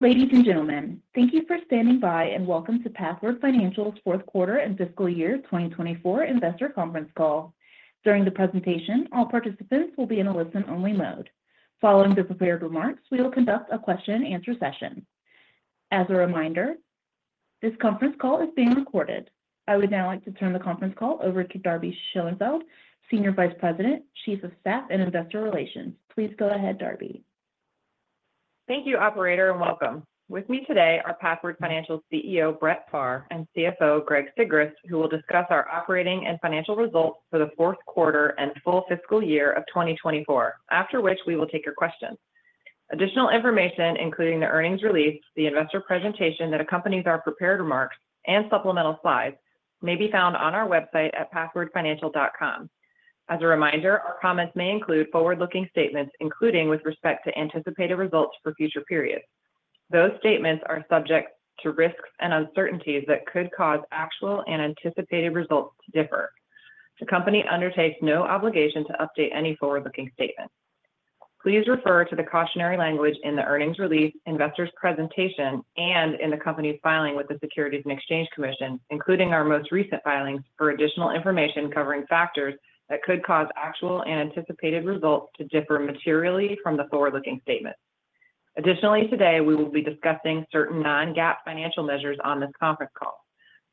Ladies and gentlemen, thank you for standing by, and welcome to Pathward Financial's fourth quarter and fiscal year 2024 investor conference call. During the presentation, all participants will be in a listen-only mode. Following the prepared remarks, we will conduct a question-and-answer session. As a reminder, this conference call is being recorded. I would now like to turn the conference call over to Darby Schoenfeld, Senior Vice President, Chief of Staff and Investor Relations. Please go ahead, Darby. Thank you, operator, and welcome. With me today are Pathward Financial's CEO, Brett Pharr, and CFO, Greg Sigrist, who will discuss our operating and financial results for the fourth quarter and full fiscal year of 2024, after which we will take your questions. Additional information, including the earnings release, the investor presentation that accompanies our prepared remarks, and supplemental slides, may be found on our website at pathwardfinancial.com. As a reminder, our comments may include forward-looking statements, including with respect to anticipated results for future periods. Those statements are subject to risks and uncertainties that could cause actual and anticipated results to differ. The company undertakes no obligation to update any forward-looking statements. Please refer to the cautionary language in the earnings release, investors' presentation, and in the company's filing with the Securities and Exchange Commission, including our most recent filings, for additional information covering factors that could cause actual and anticipated results to differ materially from the forward-looking statements. Additionally, today, we will be discussing certain non-GAAP financial measures on this conference call.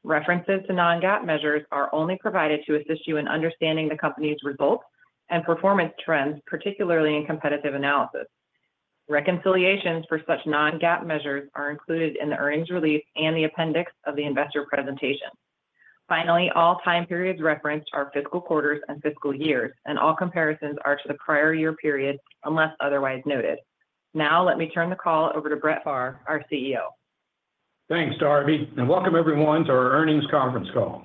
References to non-GAAP measures are only provided to assist you in understanding the company's results and performance trends, particularly in competitive analysis. Reconciliations for such non-GAAP measures are included in the earnings release and the appendix of the investors' presentation. Finally, all time periods referenced are fiscal quarters and fiscal years, and all comparisons are to the prior year period unless otherwise noted. Now, let me turn the call over to Brett Pharr, our CEO. Thanks, Darby, and welcome, everyone, to our earnings conference call.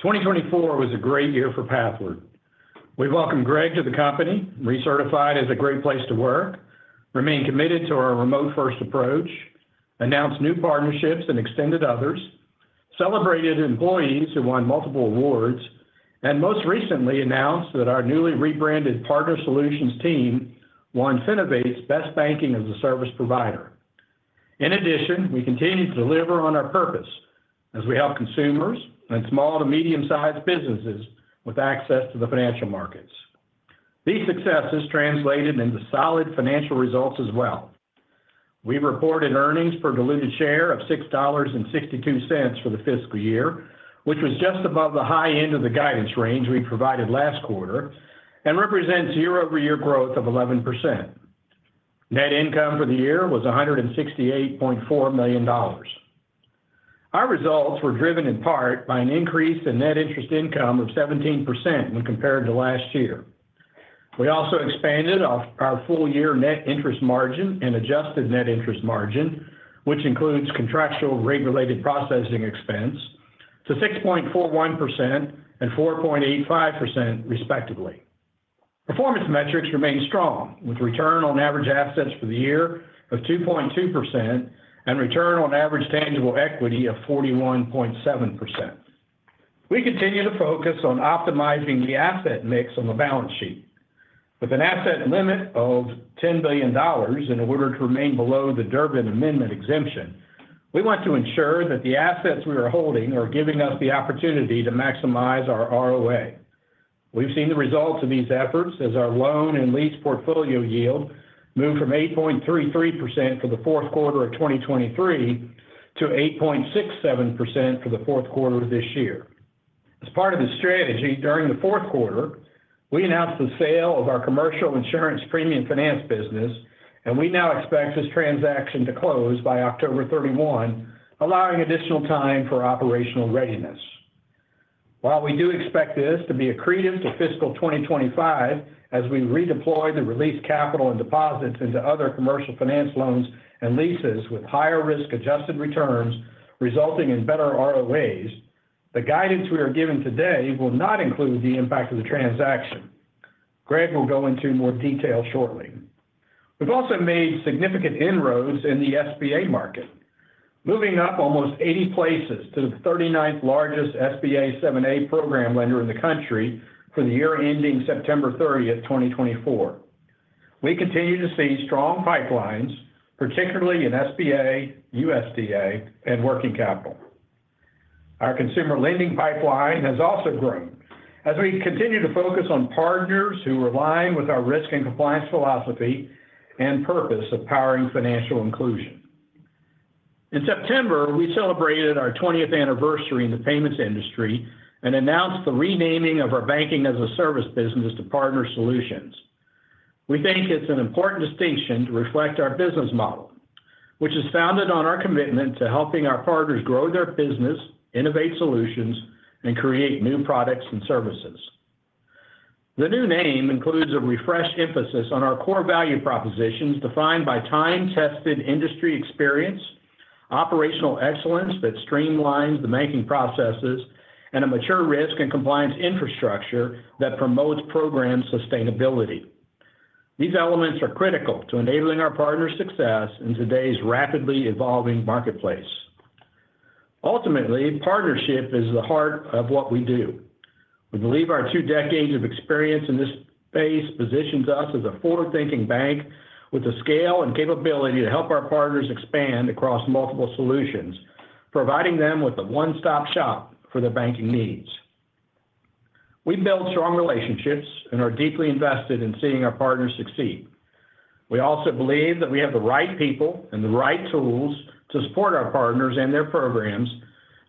Twenty twenty-four was a great year for Pathward. We welcomed Greg to the company, recertified as a great place to work, remained committed to our remote-first approach, announced new partnerships and extended others, celebrated employees who won multiple awards, and most recently announced that our newly rebranded Partner Solutions team won Finovate's Best Banking as a Service provider. In addition, we continued to deliver on our purpose as we help consumers and small to medium-sized businesses with access to the financial markets. These successes translated into solid financial results as well. We reported earnings per diluted share of $6.62 for the fiscal year, which was just above the high end of the guidance range we provided last quarter and represents year-over-year growth of 11%. Net income for the year was $168.4 million. Our results were driven in part by an increase in net interest income of 17% when compared to last year. We also expanded off our full-year net interest margin and adjusted net interest margin, which includes contractual rate-related processing expense, to 6.41% and 4.85%, respectively. Performance metrics remained strong, with return on average assets for the year of 2.2% and return on average tangible equity of 41.7%. We continue to focus on optimizing the asset mix on the balance sheet. With an asset limit of $10 billion in order to remain below the Durbin Amendment exemption, we want to ensure that the assets we are holding are giving us the opportunity to maximize our ROA. We've seen the results of these efforts as our loan and lease portfolio yield moved from 8.33% for the fourth quarter of 2023 to 8.67% for the fourth quarter of this year. As part of the strategy, during the fourth quarter, we announced the sale of our commercial insurance premium finance business, and we now expect this transaction to close by October 31, allowing additional time for operational readiness. While we do expect this to be accretive to fiscal 2025, as we redeploy the released capital and deposits into other commercial finance loans and leases with higher risk-adjusted returns, resulting in better ROAs, the guidance we are giving today will not include the impact of the transaction. Greg will go into more detail shortly. We've also made significant inroads in the SBA market, moving up almost eighty places to the thirty-ninth largest SBA 7(a) program lender in the country for the year ending September thirtieth, twenty twenty-four. We continue to see strong pipelines, particularly in SBA, USDA, and working capital. Our consumer lending pipeline has also grown as we continue to focus on partners who are aligned with our risk and compliance philosophy and purpose of powering financial inclusion. In September, we celebrated our twentieth anniversary in the payments industry and announced the renaming of our banking-as-a-service business to Partner Solutions. We think it's an important distinction to reflect our business model, which is founded on our commitment to helping our partners grow their business, innovate solutions, and create new products and services. The new name includes a refreshed emphasis on our core value propositions, defined by time-tested industry experience, operational excellence that streamlines the banking processes, and a mature risk and compliance infrastructure that promotes program sustainability. These elements are critical to enabling our partners' success in today's rapidly evolving marketplace. Ultimately, partnership is the heart of what we do. We believe our two decades of experience in this space positions us as a forward-thinking bank with the scale and capability to help our partners expand across multiple solutions, providing them with a one-stop shop for their banking needs. We build strong relationships and are deeply invested in seeing our partners succeed. We also believe that we have the right people and the right tools to support our partners and their programs,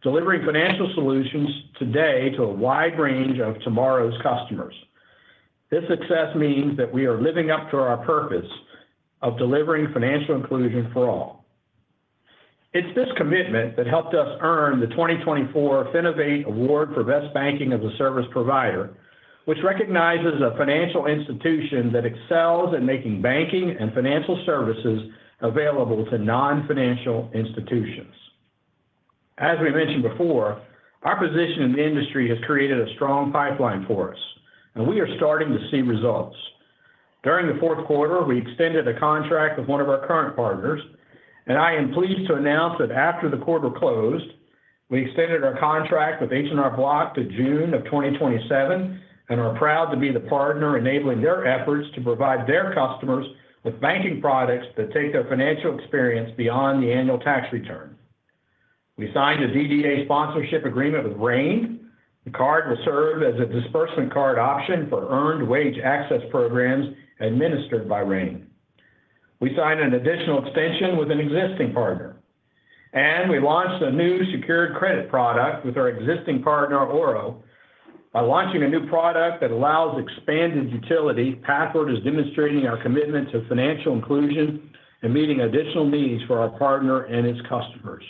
delivering financial solutions today to a wide range of tomorrow's customers. This success means that we are living up to our purpose of delivering financial inclusion for all. It's this commitment that helped us earn the 2024 Finovate Award for Best Banking as a Service Provider, which recognizes a financial institution that excels in making banking and financial services available to non-financial institutions. As we mentioned before, our position in the industry has created a strong pipeline for us, and we are starting to see results. During the fourth quarter, we extended a contract with one of our current partners, and I am pleased to announce that after the quarter closed, we extended our contract with H&R Block to June 2027, and are proud to be the partner enabling their efforts to provide their customers with banking products that take their financial experience beyond the annual tax return. We signed a DDA sponsorship agreement with Rain. The card will serve as a disbursement card option for earned wage access programs administered by Rain. We signed an additional extension with an existing partner, and we launched a new secured credit product with our existing partner, Ouro. By launching a new product that allows expanded utility, Pathward is demonstrating our commitment to financial inclusion and meeting additional needs for our partner and its customers.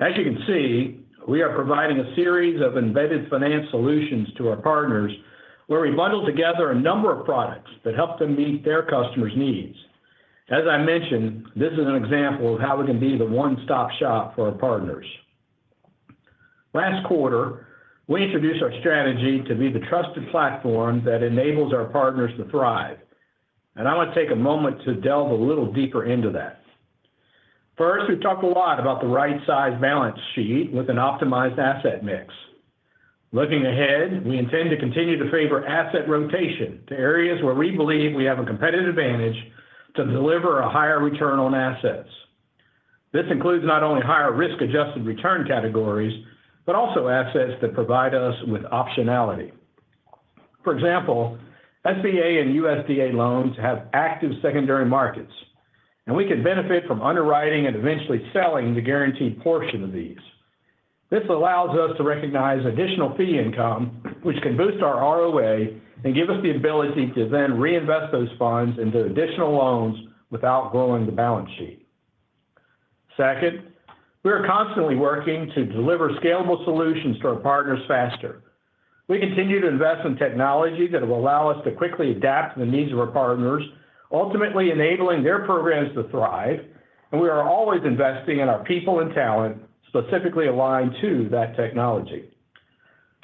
As you can see, we are providing a series of embedded finance solutions to our partners, where we bundle together a number of products that help them meet their customers' needs. As I mentioned, this is an example of how we can be the one-stop shop for our partners. Last quarter, we introduced our strategy to be the trusted platform that enables our partners to thrive, and I want to take a moment to delve a little deeper into that. First, we've talked a lot about the right size balance sheet with an optimized asset mix. Looking ahead, we intend to continue to favor asset rotation to areas where we believe we have a competitive advantage to deliver a higher return on assets. This includes not only higher risk-adjusted return categories, but also assets that provide us with optionality. For example, SBA and USDA loans have active secondary markets, and we can benefit from underwriting and eventually selling the guaranteed portion of these. This allows us to recognize additional fee income, which can boost our ROA and give us the ability to then reinvest those funds into additional loans without growing the balance sheet. Second, we are constantly working to deliver scalable solutions to our partners faster. We continue to invest in technology that will allow us to quickly adapt to the needs of our partners, ultimately enabling their programs to thrive, and we are always investing in our people and talent, specifically aligned to that technology.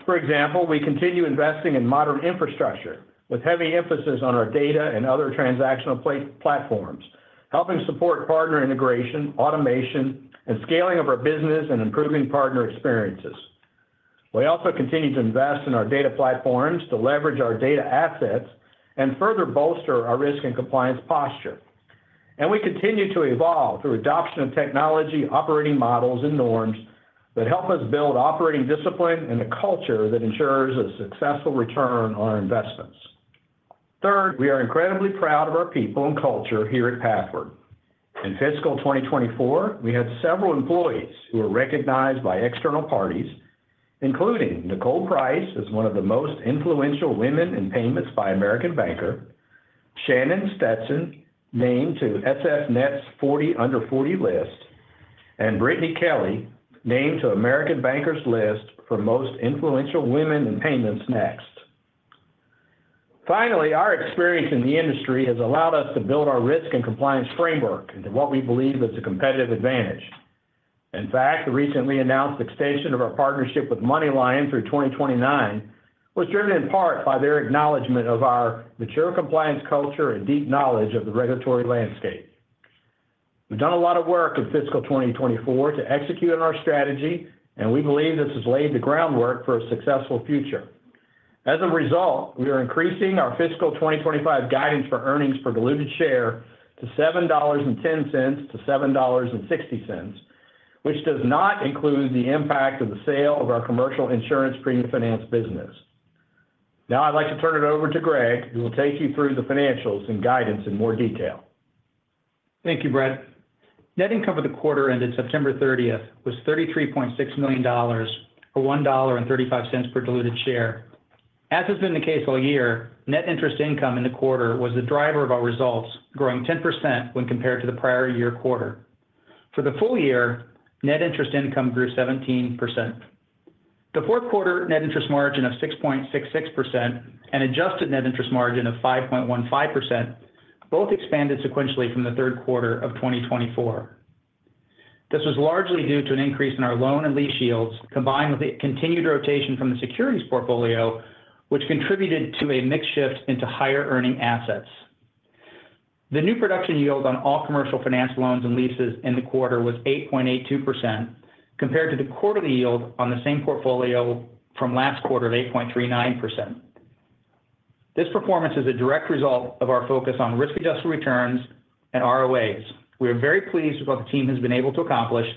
For example, we continue investing in modern infrastructure, with heavy emphasis on our data and other transactional platforms, helping support partner integration, automation, and scaling of our business, and improving partner experiences. We also continue to invest in our data platforms to leverage our data assets and further bolster our risk and compliance posture. We continue to evolve through adoption of technology, operating models, and norms that help us build operating discipline and a culture that ensures a successful return on our investments. Third, we are incredibly proud of our people and culture here at Pathward. In fiscal 2024, we had several employees who were recognized by external parties, including Nichole Price, as one of the most influential women in payments by American Banker, Shannon Stetson, named to SFNet's Forty Under Forty list, and Brittany Kelly, named to American Banker’s list for Most Influential Women in Payments Next. Finally, our experience in the industry has allowed us to build our risk and compliance framework into what we believe is a competitive advantage. In fact, the recently announced extension of our partnership with MoneyLion through 2029 was driven in part by their acknowledgment of our mature compliance culture and deep knowledge of the regulatory landscape. We've done a lot of work in fiscal 2024 to execute on our strategy, and we believe this has laid the groundwork for a successful future. As a result, we are increasing our fiscal 2025 guidance for earnings per diluted share to $7.10-$7.60, which does not include the impact of the sale of our commercial insurance premium finance business. Now, I'd like to turn it over to Greg, who will take you through the financials and guidance in more detail. Thank you, Brett. Net income for the quarter ended September thirtieth was $33.6 million or $1.35 per diluted share. As has been the case all year, net interest income in the quarter was the driver of our results, growing 10% when compared to the prior year quarter. For the full year, net interest income grew 17%. The fourth quarter net interest margin of 6.66% and adjusted net interest margin of 5.15%, both expanded sequentially from the third quarter of 2024. This was largely due to an increase in our loan and lease yields, combined with a continued rotation from the securities portfolio, which contributed to a mix shift into higher-earning assets. The new production yield on all Commercial Finance loans and leases in the quarter was 8.82%, compared to the quarterly yield on the same portfolio from last quarter of 8.39%. This performance is a direct result of our focus on risk-adjusted returns and ROAs. We are very pleased with what the team has been able to accomplish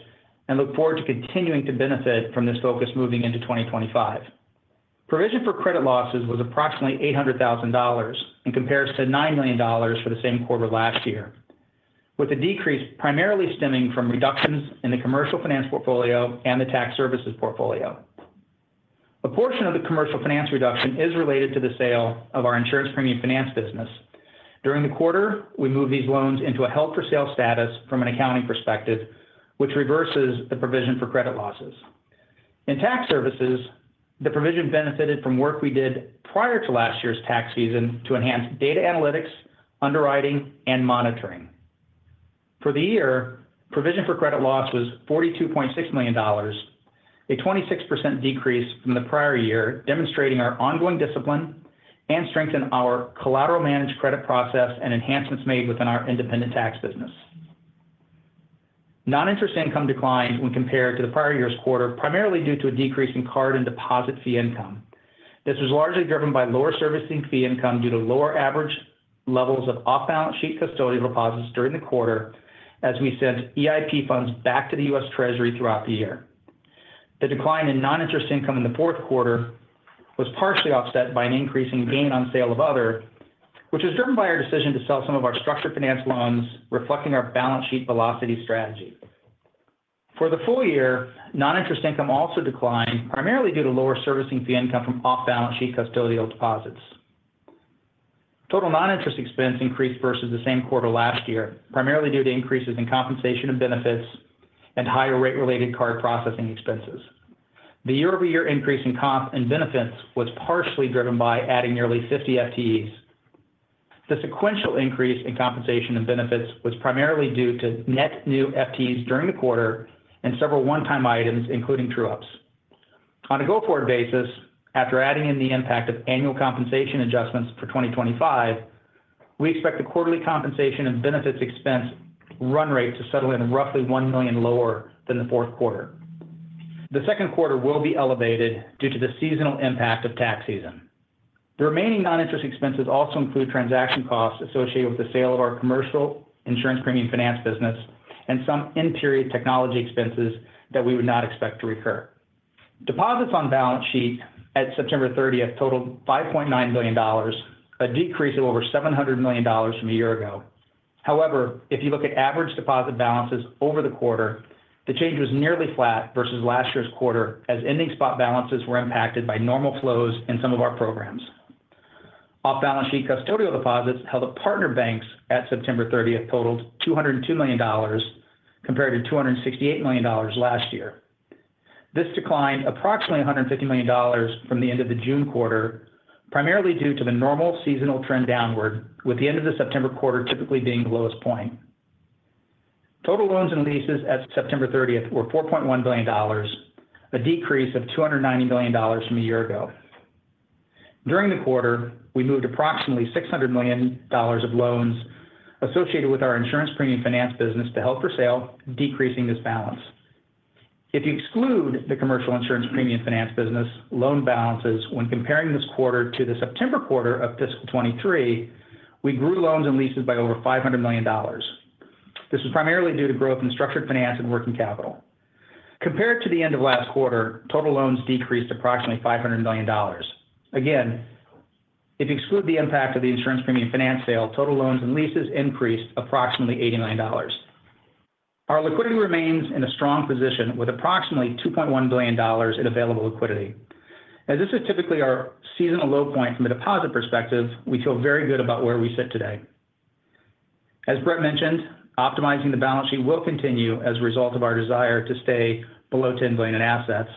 and look forward to continuing to benefit from this focus moving into 2025. Provision for credit losses was approximately $800,000, in comparison to $9 million for the same quarter last year, with the decrease primarily stemming from reductions in the Commercial Finance portfolio and the tax services portfolio. A portion of the Commercial Finance reduction is related to the sale of our insurance premium finance business. During the quarter, we moved these loans into a held-for-sale status from an accounting perspective, which reverses the provision for credit losses. In tax services, the provision benefited from work we did prior to last year's tax season to enhance data analytics, underwriting, and monitoring. For the year, provision for credit loss was $42.6 million, a 26% decrease from the prior year, demonstrating our ongoing discipline and strengthen our collateral managed credit process and enhancements made within our independent tax business. Non-interest income declined when compared to the prior year's quarter, primarily due to a decrease in card and deposit fee income. This was largely driven by lower servicing fee income due to lower average levels of off-balance sheet custodial deposits during the quarter, as we sent EIP funds back to the U.S. Treasury throughout the year. The decline in non-interest income in the fourth quarter was partially offset by an increase in gain on sale of other, which was driven by our decision to sell some of our structured finance loans, reflecting our balance sheet velocity strategy. For the full year, non-interest income also declined, primarily due to lower servicing fee income from off-balance sheet custodial deposits. Total non-interest expense increased versus the same quarter last year, primarily due to increases in compensation and benefits and higher rate-related card processing expenses. The year-over-year increase in comp and benefits was partially driven by adding nearly 50 FTEs. The sequential increase in compensation and benefits was primarily due to net new FTEs during the quarter and several one-time items, including true ups. On a go-forward basis, after adding in the impact of annual compensation adjustments for 2025, we expect the quarterly compensation and benefits expense run rate to settle in roughly $1 million lower than the fourth quarter. The second quarter will be elevated due to the seasonal impact of tax season. The remaining non-interest expenses also include transaction costs associated with the sale of our commercial insurance premium finance business and some in-period technology expenses that we would not expect to recur. Deposits on balance sheet at September thirtieth totaled $5.9 billion, a decrease of over $700 million from a year ago. However, if you look at average deposit balances over the quarter, the change was nearly flat versus last year's quarter, as ending spot balances were impacted by normal flows in some of our programs. Off-balance sheet custodial deposits held at partner banks at September 30 totaled $202 million, compared to $268 million last year. This declined approximately $150 million from the end of the June quarter, primarily due to the normal seasonal trend downward, with the end of the September quarter typically being the lowest point. Total loans and leases at September 30 were $4.1 billion, a decrease of $290 million from a year ago. During the quarter, we moved approximately $600 million of loans associated with our insurance premium finance business to held for sale, decreasing this balance. If you exclude the commercial insurance premium finance business, loan balances when comparing this quarter to the September quarter of fiscal 2023, we grew loans and leases by over $500 million. This is primarily due to growth in structured finance and working capital. Compared to the end of last quarter, total loans decreased approximately $500 million. Again, if you exclude the impact of the insurance premium finance sale, total loans and leases increased approximately $89 million. Our liquidity remains in a strong position with approximately $2.1 billion in available liquidity. As this is typically our seasonal low point from a deposit perspective, we feel very good about where we sit today. As Brett mentioned, optimizing the balance sheet will continue as a result of our desire to stay below 10 billion in assets.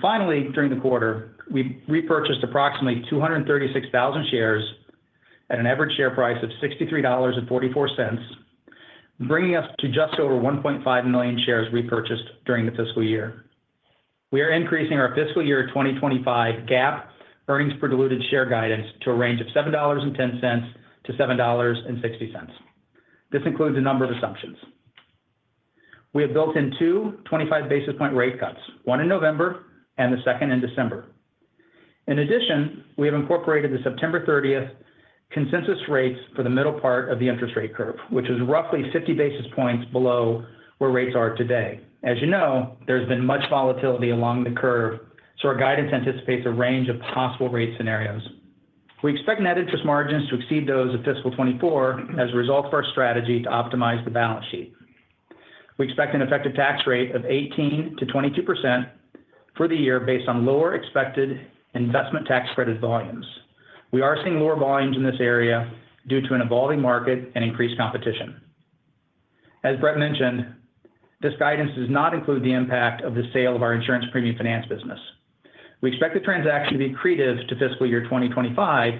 Finally, during the quarter, we repurchased approximately 236,000 shares at an average share price of $63.44, bringing us to just over 1.5 million shares repurchased during the fiscal year. We are increasing our fiscal year 2025 GAAP earnings per diluted share guidance to a range of $7.10-$7.60. This includes a number of assumptions. We have built in two 25 basis point rate cuts, one in November and the second in December. In addition, we have incorporated the September thirtieth consensus rates for the middle part of the interest rate curve, which is roughly 50 basis points below where rates are today. As you know, there's been much volatility along the curve, so our guidance anticipates a range of possible rate scenarios. We expect net interest margins to exceed those of fiscal 2024 as a result of our strategy to optimize the balance sheet. We expect an effective tax rate of 18%-22% for the year based on lower expected investment tax credit volumes. We are seeing lower volumes in this area due to an evolving market and increased competition. As Brett mentioned, this guidance does not include the impact of the sale of our insurance premium finance business. We expect the transaction to be accretive to fiscal year 2025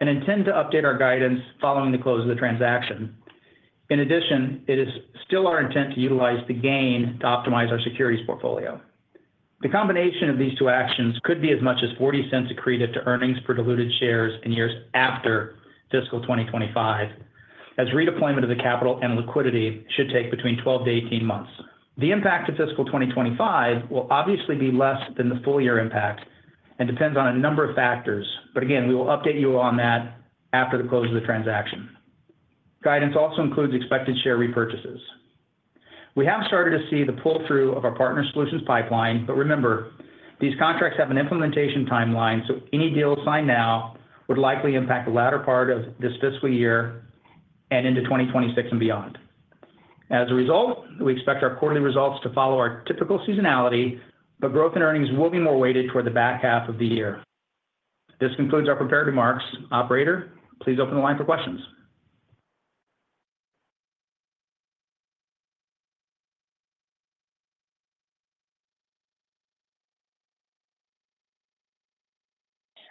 and intend to update our guidance following the close of the transaction. In addition, it is still our intent to utilize the gain to optimize our securities portfolio. The combination of these two actions could be as much as $0.40 accretive to earnings per diluted shares in years after fiscal 2025, as redeployment of the capital and liquidity should take between 12-18 months. The impact of fiscal 2025 will obviously be less than the full year impact and depends on a number of factors. But again, we will update you on that after the close of the transaction. Guidance also includes expected share repurchases. We have started to see the pull-through of our Partner Solutions pipeline, but remember, these contracts have an implementation timeline, so any deal signed now would likely impact the latter part of this fiscal year and into twenty twenty-six and beyond. As a result, we expect our quarterly results to follow our typical seasonality, but growth in earnings will be more weighted toward the back half of the year. This concludes our prepared remarks. Operator, please open the line for questions.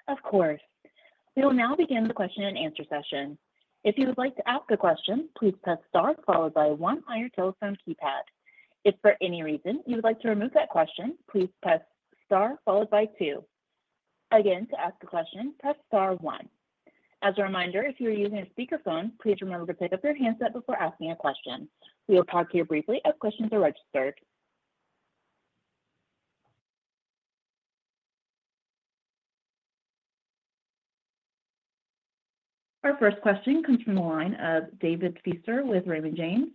Of course. We will now begin the question and answer session. If you would like to ask a question, please press star, followed by one on your telephone keypad. If for any reason you would like to remove that question, please press star followed by two. Again, to ask a question, press star one. As a reminder, if you are using a speakerphone, please remember to pick up your handset before asking a question. We will talk to you briefly as questions are registered. Our first question comes from the line of David Feaster with Raymond James.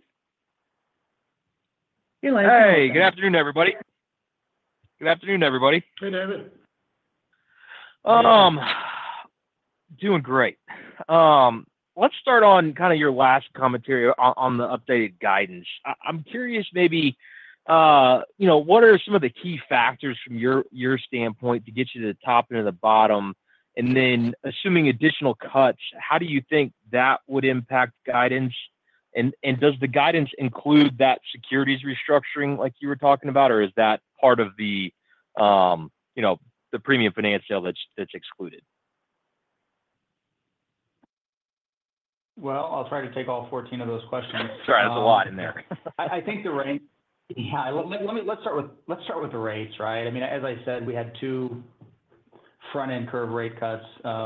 Your line is open. Hey, good afternoon, everybody. Good afternoon, everybody. Hey, David. Doing great. Let's start on kind of your last commentary on the updated guidance. I'm curious, maybe, you know, what are some of the key factors from your standpoint to get you to the top and to the bottom? And then assuming additional cuts, how do you think that would impact guidance? And does the guidance include that securities restructuring like you were talking about, or is that part of the premium finance sale that's excluded? I'll try to take all 14 of those questions. Sorry, there's a lot in there. I think. Yeah. Let me. Let's start with the rates, right? I mean, as I said, we had two front-end curve rate cuts,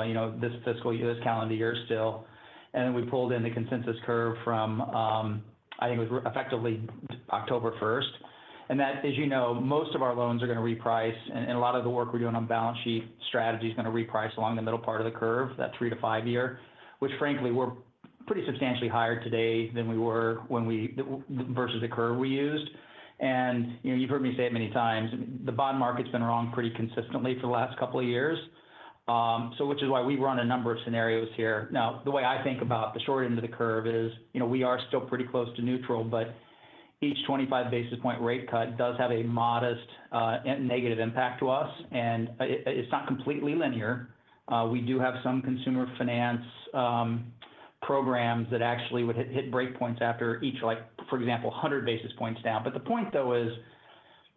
you know, this fiscal year, this calendar year still, and then we pulled in the consensus curve from, I think it was effectively October 1st. And that, as you know, most of our loans are going to reprice, and a lot of the work we're doing on balance sheet strategy is going to reprice along the middle part of the curve, that three- to five-year, which frankly, we're pretty substantially higher today than we were versus the curve we used. You know, you've heard me say it many times, the bond market's been wrong pretty consistently for the last couple of years, so which is why we run a number of scenarios here. Now, the way I think about the short end of the curve is, you know, we are still pretty close to neutral, but each twenty-five basis point rate cut does have a modest, negative impact to us, and it's not completely linear. We do have some consumer finance programs that actually would hit break points after each, like, for example, hundred basis points down. But the point, though, is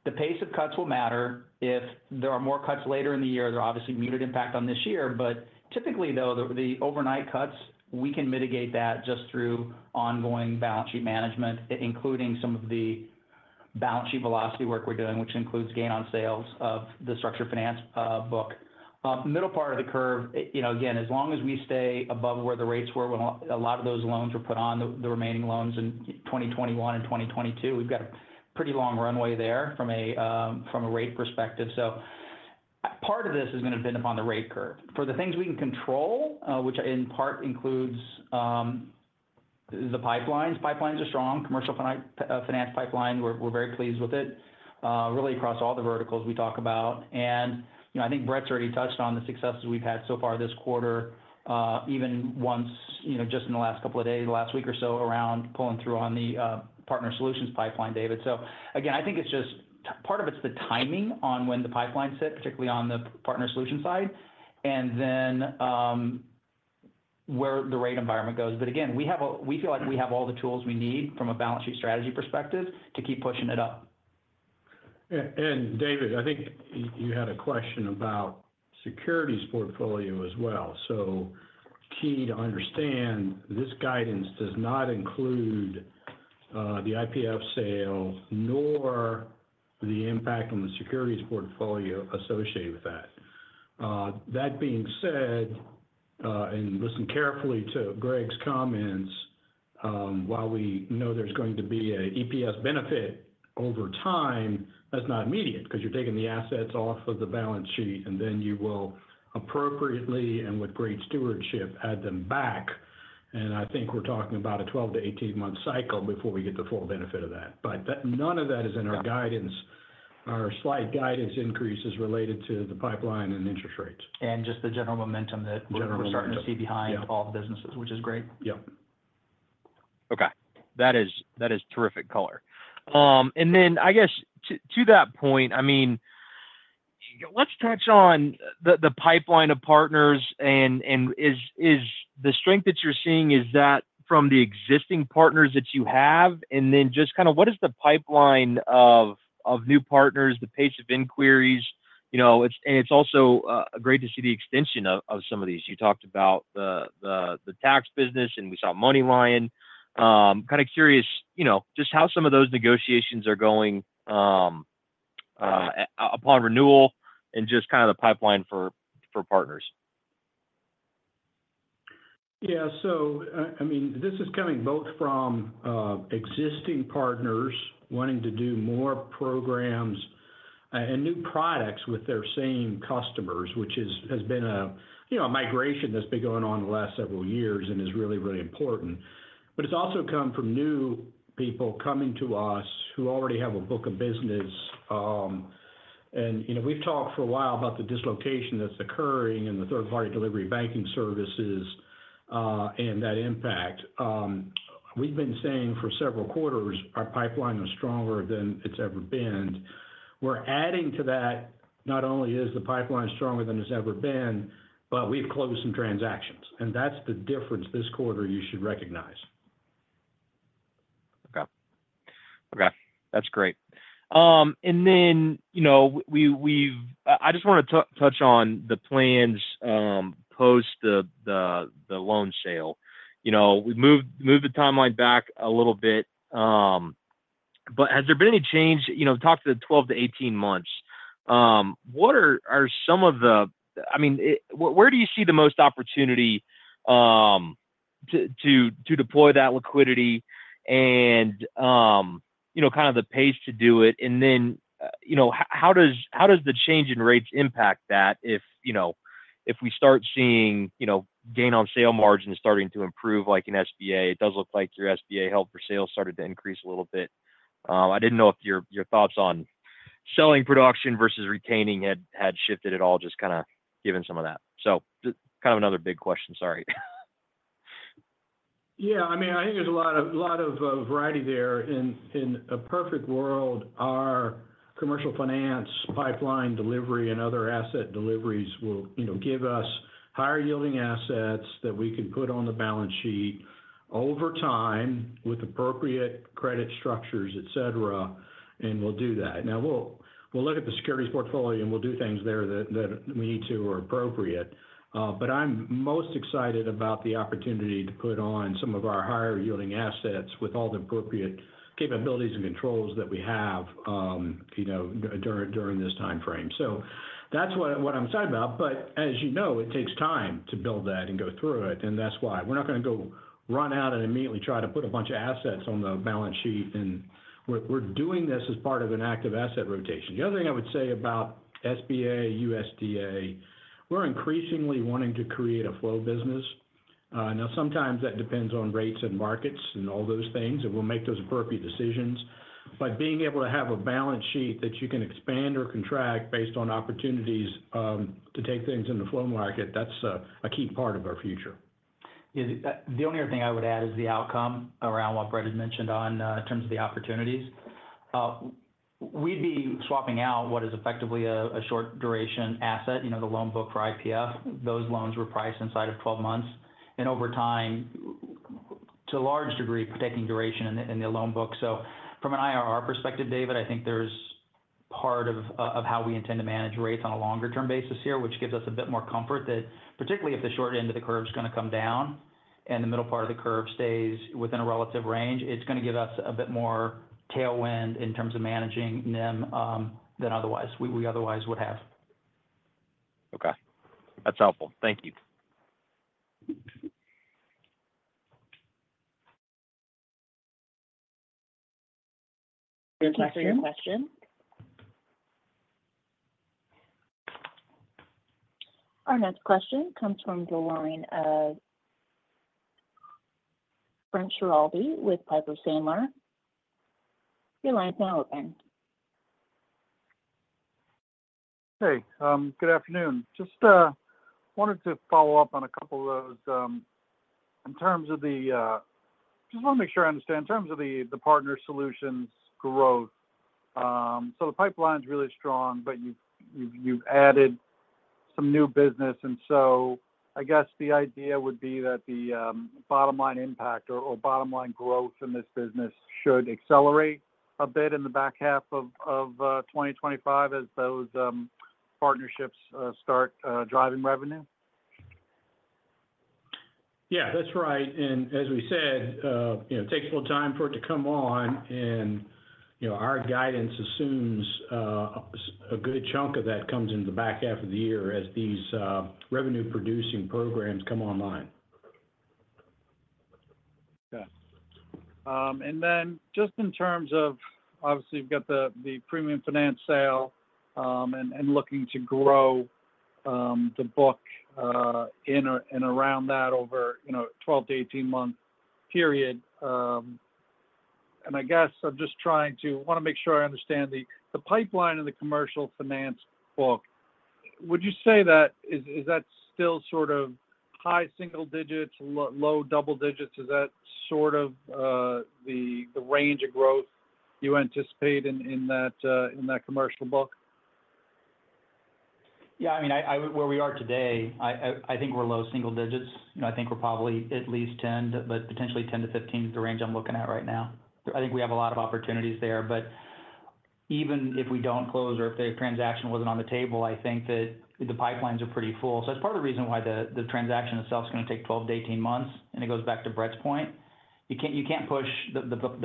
the pace of cuts will matter. If there are more cuts later in the year, they're obviously muted impact on this year. But typically, though, the overnight cuts, we can mitigate that just through ongoing balance sheet management, including some of the balance sheet velocity work we're doing, which includes gain on sales of the structured finance book. Middle part of the curve, you know, again, as long as we stay above where the rates were, when a lot of those loans were put on the remaining loans in twenty twenty-one and twenty twenty-two, we've got a pretty long runway there from a rate perspective. So part of this is going to depend upon the rate curve. For the things we can control, which in part includes the pipelines. Pipelines are strong. Commercial Finance pipeline, we're very pleased with it, really across all the verticals we talk about. You know, I think Brett's already touched on the successes we've had so far this quarter, even once, you know, just in the last couple of days, the last week or so around pulling through on the Partner Solutions pipeline, David. So again, I think it's just part of it's the timing on when the pipeline sits, particularly on the Partner Solution side, and then, where the rate environment goes. But again, we feel like we have all the tools we need from a balance sheet strategy perspective to keep pushing it up. And David, I think you had a question about securities portfolio as well. So key to understand, this guidance does not include the IPF sale, nor the impact on the securities portfolio associated with that. That being said, and listen carefully to Greg's comments, while we know there's going to be a EPS benefit over time, that's not immediate, because you're taking the assets off of the balance sheet, and then you will appropriately and with great stewardship add them back. And I think we're talking about a 12-18-month cycle before we get the full benefit of that. But none of that is in our guidance. Our slight guidance increase is related to the pipeline and interest rates. And just the general momentum that- General momentum We're starting to see buy-in all the businesses, which is great. Yeah. Okay. That is terrific color. And then I guess to that point, I mean, let's touch on the pipeline of partners, and is the strength that you're seeing from the existing partners that you have? And then just kind of what is the pipeline of new partners, the pace of inquiries? You know, it's also great to see the extension of some of these. You talked about the tax business, and we saw MoneyLion. Kind of curious, you know, just how some of those negotiations are going upon renewal and just kind of the pipeline for partners. Yeah. So, I mean, this is coming both from existing partners wanting to do more programs and new products with their same customers, which has been a, you know, a migration that's been going on the last several years and is really, really important, but it's also come from new people coming to us who already have a book of business, and you know, we've talked for a while about the dislocation that's occurring in the third-party delivery banking services and that impact. We've been saying for several quarters, our pipeline is stronger than it's ever been. We're adding to that, not only is the pipeline stronger than it's ever been, but we've closed some transactions, and that's the difference this quarter you should recognize. Okay. Okay, that's great. And then, you know, we've moved the timeline back a little bit, but has there been any change, you know, talk to the 12-18 months. What are some of the? I mean, where do you see the most opportunity to deploy that liquidity and, you know, kind of the pace to do it? And then, you know, how does the change in rates impact that if we start seeing gain on sale margins starting to improve, like in SBA? It does look like your SBA held-for-sale started to increase a little bit. I didn't know if your thoughts on selling production versus retaining had shifted at all, just kind of given some of that. So kind of another big question, sorry. Yeah, I mean, I think there's a lot of variety there. In a perfect world, our commercial finance pipeline delivery and other asset deliveries will, you know, give us higher yielding assets that we can put on the balance sheet over time with appropriate credit structures, et cetera, and we'll do that. Now, we'll look at the securities portfolio, and we'll do things there that we need to or appropriate. But I'm most excited about the opportunity to put on some of our higher yielding assets with all the appropriate capabilities and controls that we have, you know, during this time frame. So that's what I'm excited about. But as you know, it takes time to build that and go through it, and that's why we're not gonna go run out and immediately try to put a bunch of assets on the balance sheet, and we're doing this as part of an active asset rotation. The other thing I would say about SBA, USDA, we're increasingly wanting to create a flow business. Now, sometimes that depends on rates and markets and all those things, and we'll make those appropriate decisions. But being able to have a balance sheet that you can expand or contract based on opportunities, to take things in the flow market, that's a key part of our future. Yeah, the only other thing I would add is the outcome around what Brett had mentioned in terms of the opportunities. We'd be swapping out what is effectively a short duration asset, you know, the loan book for IPF. Those loans were priced inside of twelve months, and over time, to a large degree, protecting duration in the loan book. So from an IRR perspective, David, I think there's part of how we intend to manage rates on a longer term basis here, which gives us a bit more comfort that particularly if the short end of the curve is gonna come down and the middle part of the curve stays within a relative range, it's gonna give us a bit more tailwind in terms of managing NIM than we otherwise would have. Okay. That's helpful. Thank you. Thank you for your question. Our next question comes from the line of Frank Schiraldi with Piper Sandler. Your line is now open. Hey, good afternoon. Just wanted to follow up on a couple of those in terms of the. Just want to make sure I understand. In terms of the Partner Solutions growth, so the pipeline's really strong, but you've added some new business, and so I guess the idea would be that the bottom line impact or bottom line growth in this business should accelerate a bit in the back half of twenty twenty-five as those partnerships start driving revenue? Yeah, that's right. And as we said, you know, it takes a little time for it to come on, and, you know, our guidance assumes a good chunk of that comes in the back half of the year as these revenue producing programs come online. Okay. And then just in terms of, obviously, you've got the premium finance sale, and looking to grow the book in and around that over, you know, 12-18-month period. And I guess I just want to make sure I understand the pipeline in the Commercial Finance book. Would you say that is still sort of high single digits, low double digits? Is that sort of the range of growth you anticipate in that Commercial Finance book? Yeah, I mean, where we are today, I think we're low single digits. You know, I think we're probably at least 10, but potentially 10-15 is the range I'm looking at right now. I think we have a lot of opportunities there, but even if we don't close or if the transaction wasn't on the table, I think that the pipelines are pretty full. So that's part of the reason why the transaction itself is gonna take 12-18 months, and it goes back to Brett's point. You can't push the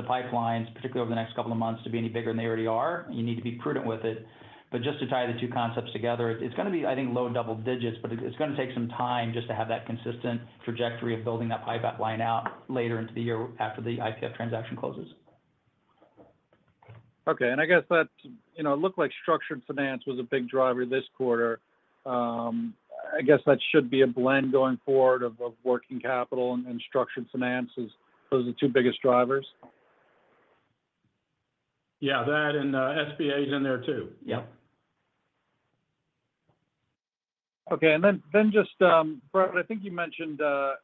pipelines, particularly over the next couple of months, to be any bigger than they already are. You need to be prudent with it. But just to tie the two concepts together, it's gonna be, I think, low double digits, but it, it's gonna take some time just to have that consistent trajectory of building that pipeline out later into the year after the IPF transaction closes. Okay. And I guess that, you know, it looked like structured finance was a big driver this quarter. I guess that should be a blend going forward of working capital and structured finance as those are the two biggest drivers? Yeah, that and SBA's in there too. Yep. Okay. And then, Brett, I think you mentioned a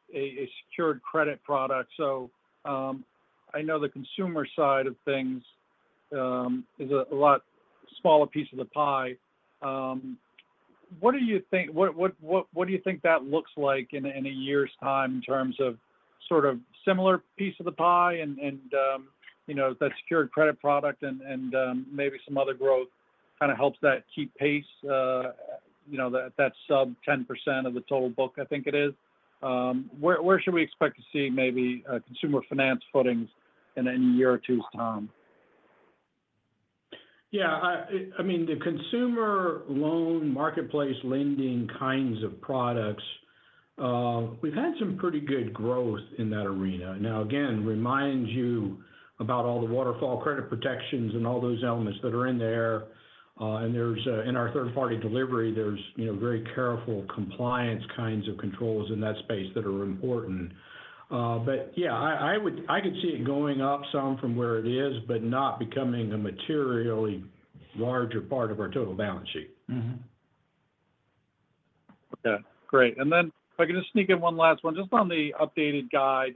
secured credit product. So, I know the consumer side of things is a lot smaller piece of the pie. What do you think that looks like in a year's time in terms of sort of similar piece of the pie and you know, that secured credit product and maybe some other growth kind of helps that keep pace, you know, that sub-10% of the total book, I think it is? Where should we expect to see maybe a consumer finance footings in a year or two's time? Yeah, I mean, the consumer loan marketplace lending kinds of products, we've had some pretty good growth in that arena. Now, again, remind you about all the waterfall credit protections and all those elements that are in there. And in our third-party delivery, there's, you know, very careful compliance kinds of controls in that space that are important. But yeah, I could see it going up some from where it is, but not becoming a materially larger part of our total balance sheet. Mm-hmm. Okay, great. And then if I can just sneak in one last one, just on the updated guide,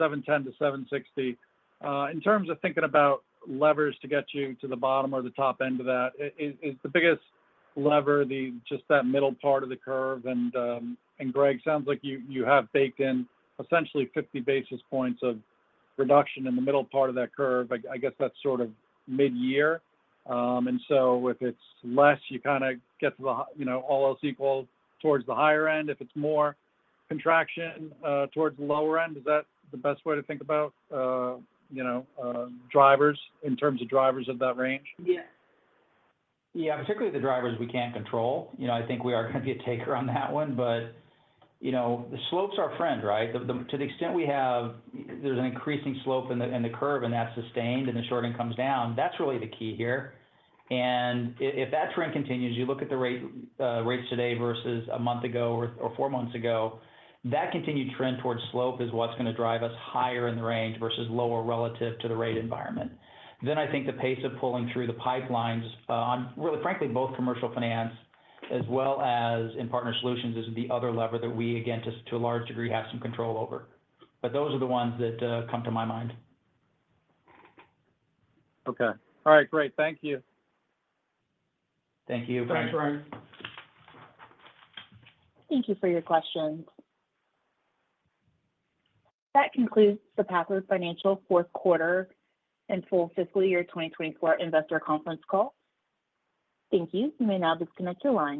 710-760. In terms of thinking about levers to get you to the bottom or the top end of that, is the biggest lever just that middle part of the curve, and Greg, sounds like you have baked in essentially 50 basis points of reduction in the middle part of that curve. I guess that's sort of midyear. And so if it's less, you kind of get to the higher end, you know, all else equal towards the higher end. If it's more contraction towards the lower end, is that the best way to think about drivers in terms of drivers of that range? Yeah. Yeah, particularly the drivers we can't control. You know, I think we are going to be a taker on that one, but, you know, the slope's our friend, right? To the extent we have, there's an increasing slope in the curve, and that's sustained, and the short end comes down. That's really the key here. If that trend continues, you look at the rates today versus a month ago or four months ago, that continued trend towards slope is what's going to drive us higher in the range versus lower relative to the rate environment, then I think the pace of pulling through the pipelines, on really, frankly, both Commercial Finance as well as in Partner Solutions, is the other lever that we, again, to a large degree, have some control over. But those are the ones that come to my mind. Okay. All right, great. Thank you. Thank you, Frank. Thanks, Frank. Thank you for your questions. That concludes the Pathward Financial fourth quarter and full fiscal year 2024 investor conference call. Thank you. You may now disconnect your line.